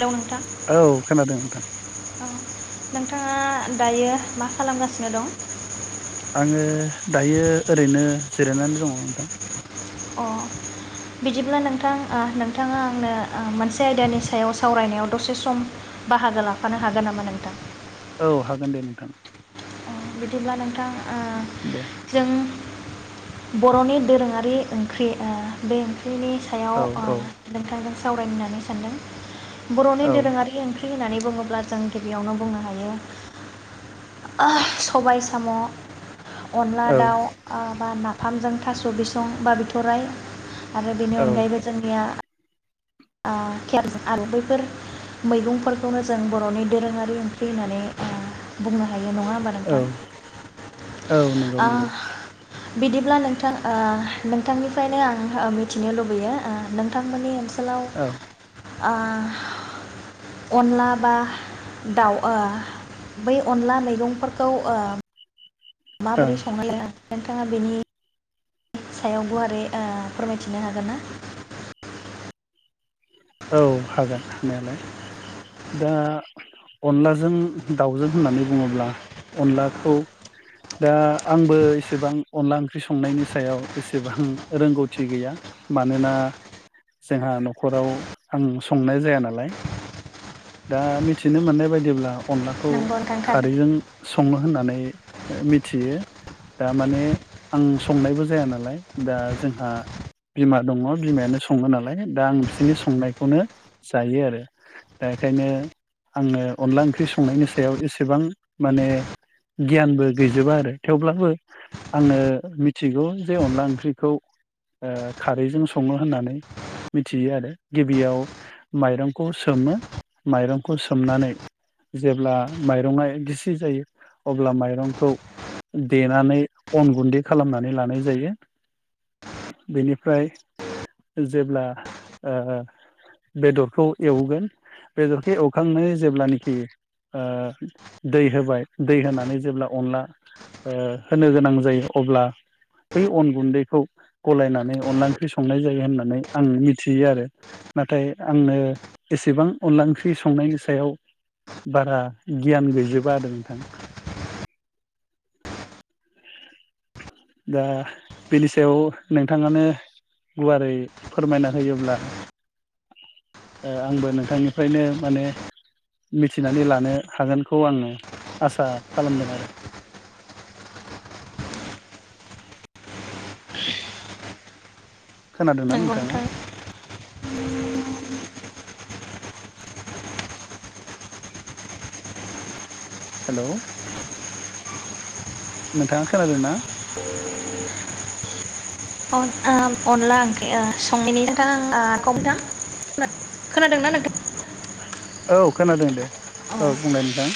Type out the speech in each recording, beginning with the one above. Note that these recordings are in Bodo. हेलौ नोंथां औ खोनादों नोंथां नोंथाङा दायो मा खालामगासिनो दं आङो दायो ओरैनो जिरायनानै दङ नोंथां अ बिदिब्ला नोंथां नोंथाङा आंनो मोनसे आयदानि सायाव सावरायनायाव दसे सम बाहागो लाफानो हागोन नामा नोंथां औ हागोन दे नोंथां बिदिब्ला नोंथां ओ दे जों बर'नि दोरोङारि ओंख्रि बे ओंख्रिनि बिनि सायाव औ औ नोंथांजों सावरायनो होननानै सानदों। बर'नि औ दोरोङारि ओंख्रि होननानै बुङोब्ला जों गिबियावनो बुंनो हायो। सबाय साम' अनला औ दाउ बा ना फामजों थास' बिसं बा बिथ'राइ। आरो बेनि अनगायैबो औ जोंनिया केेर आरो बैफोर मैगंफोरखौनो जों बर'नि दोरोङारि ओंख्रि होननानै बुंनो। हायो नङा होमबा औ नोंथां औ नंगौ नंगौ। बिदिब्ला नोंथां नोंथांनिफ्रायनो आं मिथिनो लुबैयो नोंथांमोननि ओनसोलाव औ अनला बा दाउआ बै अनला मैगंफोरखौ माबोरै ओं संना [unintelligible] बिथाङा बिनि सायाव गुवारै फोरमायथिनो हागोन ना? औ हागोन हानायालाय दा अनलाजों दाउजों होननानै बुङोब्ला अनलाखौ दा आंबो एसेबां अनला ओंख्रि संनायनि सायाव एसेबां रोंगौथि गैया मानोना जोंहा न'खराव आं संनाय जाया नालाय दा मिथिनो मोननाय बायदिब्ला अनलाखौ नोंगौ नोंथां थारैनो खारैजों सङो होननानै मिथियो दा माने आं संनायबो जाया नालाय दा जोंहा बिमा दङ बिमायानो सङो नालाय दा आं बिसोरनि संनाय खौनो जायो आरो दा बेखायनो आङो अनला ओंख्रि संनायनि सायाव एसेबां माने गियानबो गैजोबा आरो थेवब्लाबो आङो मिथिगौ जे अनला ओंख्रिखौ खारैजों सङो होननानै मिथियो आरो। गिबियाव माइरं खौ सोमो माइरं खौ सोमनानै जेब्ला माइरंआ गिसि जायो। अब्ला माइरंखौ देनानै अन गुन्दै खालामनानै लानाय जायो बेनिफ्राय जेब्ला बेदरखौ एवगोन बेदरखौ एवखांनानै जेब्लानाखि दै होबाय दै होनानै जेब्ला अनला होनो गोनां जायो अब्ला बै अन गुन्दैखौ गलायनानै अनला ओंख्रि संनाय जायो होननानै आं मिथियो आरो। नाथाय आंनो एसेबां अनला ओंख्रि संनायनि सायाव बारा गियान गैजोबा आरो नोंथां दा बेनि सायाव नोंथाङानो गुवारै फोरमायना होयोब्ला आंबो नोंथांनिफ्रायनो माने मिथिनानै लानो हागोनखौ आङो आसा खालामदों आरो। खोनादोंना नोंगौ नोंथाङा नोंथां। [inaudible] हेल' नोंथाङा खोनादों ना? अनला ओंख्रि [unintelligible] खोनादोंना नोंथां औ खोनादों दे औ बुंनाय नोंथां।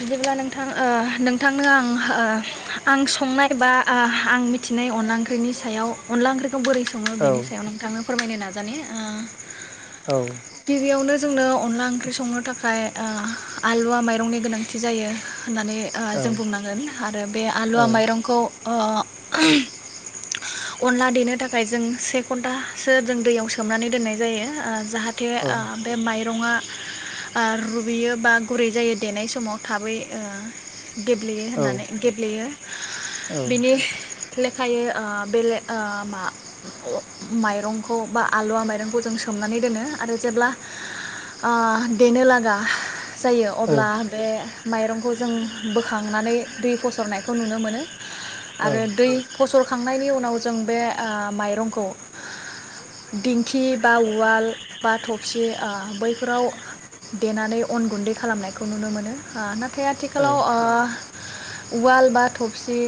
बिदिब्ला नोंथां नोंथांनो ओ ओ आं आं संनाय बा आं मिथिनाय अनला ओंख्रिनि सायाव अनला ओंख्रि बोरै सङो औ बेनि सायाव नोंथांनो फोरमायनो नाजागोन । जानि ओ औ गिबियावनो जोंनो अनला ओंख्रि संनो थाखाय ओ आलुवा माइरंनि गोनांथि जायो होननानै ओ औ जों बुंनांगोन आरो बे औ आलुवा माइरंखौ ओ अनला देनो थाखाय जों से घन्टासो जों दैयाव सोमनानै दोननाय जायो ओ जाहाथे औ बे माइरंआ ओ रुइयो बा गुरै जायो देनाय समाव थाबै ओ गेब्लेयो औ होननानै गेब्लेयो बिनि ओ बेलेग ओ मा माइरंखौ बा आलुवा माइरंखौ जों सोमनानै दोनो आरो जेब्ला ओ देनो लागा जायो औ अब्ला बे माइरंखौ जों बोखांनानै दै फसरनायखौ नुनो मोनो । औ आरो दै फसर खांनायनि उनाव जों बे ओ माइरंखौ दिंखि बा उवाल बा थफसि ओ बैफोराव देनानै अन गुन्दै खालामनायखौ नुनो मोनो । [unintelligible] नाथाय आथिखालाव उवाल बा थफसि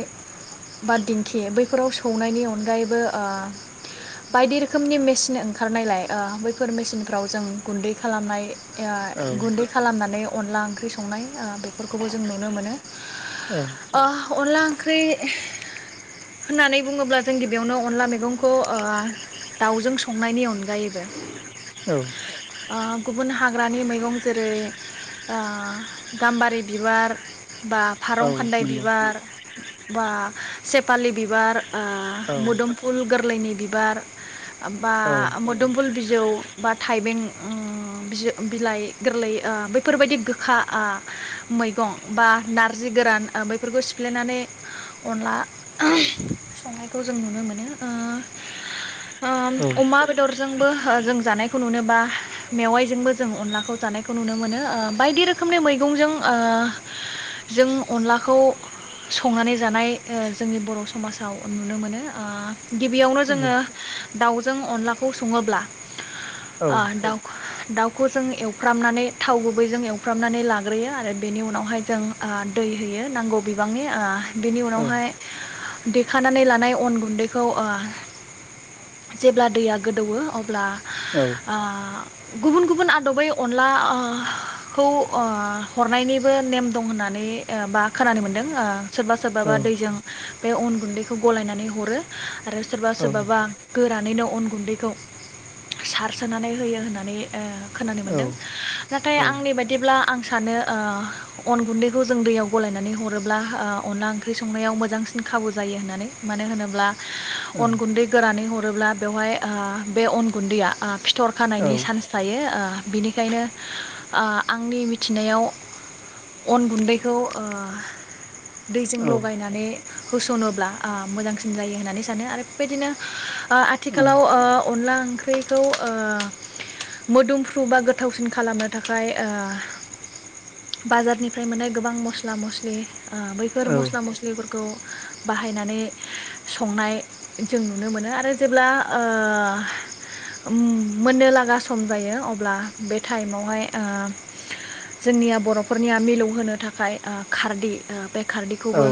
बा दिंखि बैफोराव सौनायनि अनगायैबो ओ बायदि रोखोमनि मेसिन ओंखारनायलाय बैफोर मेसिनफ्राव जों गुन्दै खालामनाय ओ गुन्दै खालामनानै अनला ओंख्रि सं संनाय बेफोरखौबो जों नुनो मोनो अनला ओंख्रि होननानै बुङोब्ला जों गिबियावनो अनला मैगंखौ ओ दाउजों संनायनि अनगायैबो ओ गुबुन हाग्रानि मैगं जेरै गाम्बारि बिबार बा औ फारं औ खान्दाय नंगौ बिबार बा सेपालि बिबार औ मोदोमफुल गोरलैनि बिबार बा औ औ मोदोमबुल बिजौ बा थाइबें बिलाइ गोरलै बेफोरबायदि गोखा मैगं बा नारजि गोरान बेैफोरखौ सिफ्लेनानै अनला संनायखौ जों नुनो मोनो। औ अमा बेदरजोंबो जों जानायखौ नुनोबा मेवाइजोंबो जों अनलाखौ जानायखौ नुनो मोनो बायदि रोखोम। रोखोमनि मैगंजों जों अनलाखौ संनानै जानाय जोंनि बर' समाजाव नुनो मोनो। गिबियावनो औ जोङो दाउजों अनलाखौ सङोब्ला आ दाउ दाउखौ जों एवफ्रामनानै थाव गुबै जों एव फ्रामनानै लाग्रोयो आरो बेनि उनावहाय जों दै होयो नांगौ बिबांनि बेनि उनावहाय देखानानै लानाय अन गुन्दैखौ जेब्ला दैया गोदौवो अब्ला आ गुबुन गुबुन आदबै अनला खौ हरनायनिबो नेम दं होननानै बा खोनानो मोनदों। सोरबा सोरबाबा दैजों। बे अन गुन्दैखौ गलायनानै हरो आरो सोरबा सोरबाबा। गोरानैनो अन गुन्दैखौ सारसोनानै होयो होननानै खोनानो मोनदों नाथाय औ आं आंनि बायदिब्ला आं सानो अन गुन्दैखौ जों दैयाव गलायनानै हरोब्ला अनला ओंख्रि संनायाव मोजांसिन खाबु जायो होननानै मानो होनोब्ला औ अन गुन्दै गोरानै हरोब्ला बेवहाय बे अन गुन्दैया फिथर औ खानायनि चान्स थायो। बिनिखायनो। आंनि मिथिनायाव अन गुन्दैखौ दैजों लगायनानै होस'नोब्ला मोजांसिन जायो होननानै सानो आरो बेबायदिनो औ आथिखालाव अनला ओंख्रिखौ मोदोमफ्रु बा गोथावसिन खालामो। थाखाय बाजारनिफ्राय मोननाय गोबां मस्ला मस्लि बैफोर मस्ला औ मस्लिफोरखौ बाहायनानै संनाय जों नुनो मोनो आरो जेब्ला मोननो लागा सम जायो अब्ला बे टाइमावहाय जोंनिया बर'फोरनिया मिलौहोनो थाखाय खारदै बे औ खारदैखौबो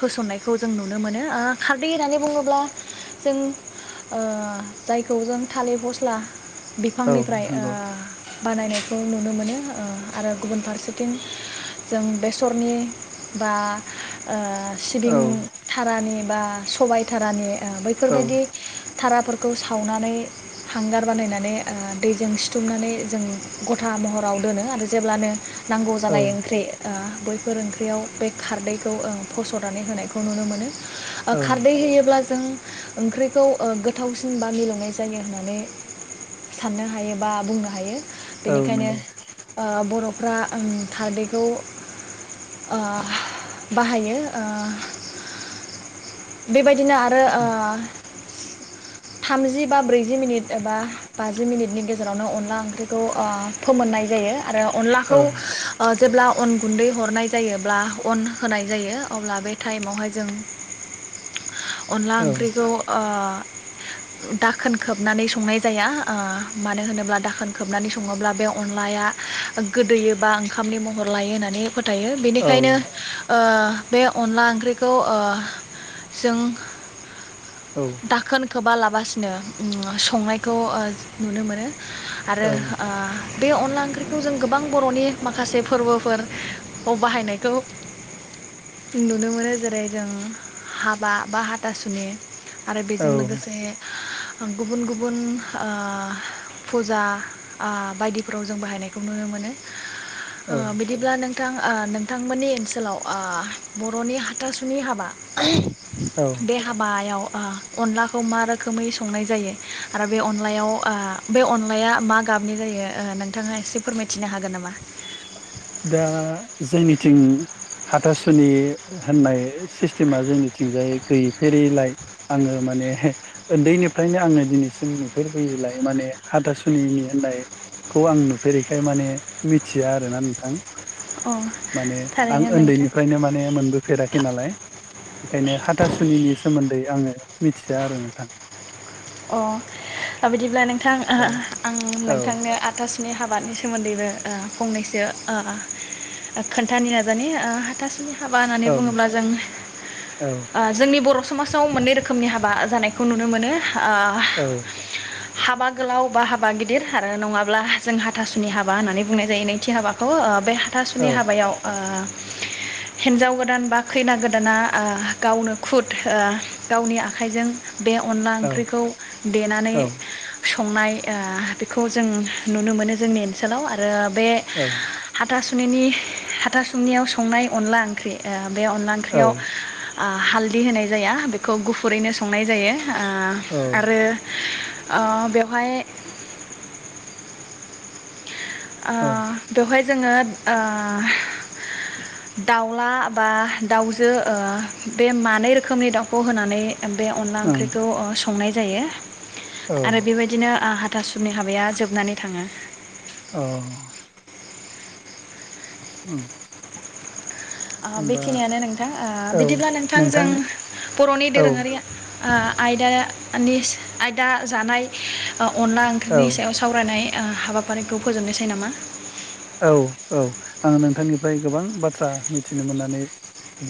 होसननाय खौ जों नुनो मोनो खारदै होननानै बुङोब्ला जों जायखौ जों थालिर फस्ला औ बिफांनिफ्राय नंगौ बानायनाय खौ नुनो मोनो आरो गुबुन फारसेथिं जों बेसरनि बा औ सिबिं थारानि बा सबायधारानि औ बैफोरबायदि थाराफोरखौ सावनानै हांगार बानायनानै दैजों सिथुमनानै जों गथा महराव दोनो आरो जेब्लानो नांगौ औ जानाय ओंख्रि बैफोर ओंख्रियाव बे खारदैखौ फस'रनानै होनायखौ नुनो मोनो । ओ खारदै होयोब्ला जों ओंख्रिखौ ओ गोथावसिन बा मिलौनाय जायो होननानै साननो हायो बा बुंनो हायो । नंगौ औ बेनिखायनो ओ बर' फ्रा ओ खारदैखौ ओ बाहायो ओ बेबायदि बिदिनो आरो ओ थामजि बा ब्रैजि मिनिट एबा बाजि मिनिटनि गेजेरावनो अनला ओंख्रिखौ ओ फोमोननाय जायो । आरो अनलाखौ ओ जेब्ला अन गुन्दै हरनाय जायोब्ला अन होनाय जायो अब्ला बे टाइमावहाय जों अनला ओंख्रिखौ ओ दाखोन खोबनानै संनाय जाया ओ मानो होनोब्ला दाखोन खोबनानै सङोब्ला बे अनलाया गोदैयो बा ओंखामनि महर लायो होननानै फोथायो बेनिखायनो ओ बे अनला ओंख्रिखौ ओ जों दाखोन खोबा लासिनो संनायखौ ओ नुनो मोनो आरो औ बे अनला ओंख्रि जों गोबां बर'नि माखासे माखासे फोरबोफोराव बाहायनायखौ नुनो मोनो जेरै जों हाबा बा हाथासुनि आरो औ बेजों लोगोसे गुबुन गुबुन ओ फुजा ओ बायदिफोराव जों बाहायनायखौ नुनो मोनो । ओ औ बिदिब्ला नोंथां ओ बिथांमोननि ओनसोलाव ओ बर'नि हाथासुनि हाबा औ [inaudible] बे हाबायाव ओ अनलाखौ मा रोखोमै संनाय जायो आरो बे अनलायाव ओ बे अनलाया मा गाबनि जायो नोंथाङा एसे फोरमायथिनो हागोन नामा? दा जोंनिथिं हाथासुनि होननाय सिस्टेमा जोंनिथिंजाय गैफेरैलाय आङो माने उन्दैनिफ्रायनो आङो दिनैसिम नुफेरबोयैलाय माने हाथासुनिनि होननायखौ आं नुफेरैखाय माने । मिथिया आरोना नोंथां । अ माने आं थारैनो नोंथां उन्दैनिफ्रायनो माने मोनबोफेराखै नालाय । बेखायनो हाथासुनिनि सोमोन्दै आङो मिथिया आरो नोंथां । अ बिदिब्ला नों नोंथां आं औ नोंथांनो हाथासुनि हाबानि सोमोन्दैबो ओ फंनैसो ओ ओ खोन्थानो नाजानि हाथासुनि हाबा होननानै औ बुङोब्ला जों औ ओ जोंनि बर' समाजाव मोननै रोखोमनि हाबा जानायखौ नुनो मोनो ओ औ हाबा गोलाव बा हाबा गिदिर आरो नङाब्ला जों हाथासुनि हाबा होननानै बुंनाय जायो नैथि हाबाखौ ओ बे औ हाथासुनि हाबायाव ओ हिन्जाव गोदान बा खैना गोदाना ओ गावनो खुद गावनि ओ आखाइजों बे अनला औ ओंख्रिखौ देनानै औ संनाय ओ बेखौ जों नुनो मोनो जोंनि ओनसोलाव आरो बे हाथासुनिनि हाथासुनियाव संनाय अनला ओंख्रि ओ बे अनला औ ओंख्रियाव ओ हाल होनाय जाया बेखौ गुफुरैनो संनाय जायो ओ आरो ओ बेवहाय ओ बेवहाय जोङो ओ दाउला बा दाउजो ओ बे मानै रोखोमनि दाउखौ होनानै बे अनला ओं ओंख्रिखौ ओ संनाय जायो औ आरो बेबायदिनो ओ हाथासुनि हाबाया जोबनानै थाङो अ उम ओ बेखिनियानो नोंथां औ बिदिब्ला नोंथां जों नोंथांनि बर'नि औ दोरोङारि ओ आयदानि आयदा जानाय अनला औ ओंख्रिनि सायाव सावरायनाय ओ हाबाफारिखौ फोजोबनोसै नामा? औ औ आङो नोंथांनिफ्राय गोबां बाथ्रा मिथिनो मोननानै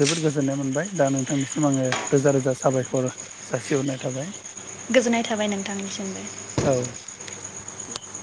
जोबोद गोजोननाय मोनबाय दा नोंथांनिसिम आङो रोजा रोजा साबायखर जासिहरनाय थाबाय गोजोननाय थाबाय नोंथांनिसिमबो औ [unintelligible]